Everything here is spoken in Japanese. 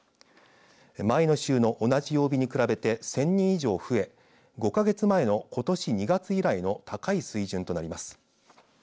前の週の同じ曜日に比べて１０００人以上増え５か月前の、ことし２月以来の高い水準となります。